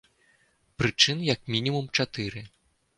Прычын як мінімум чатыры.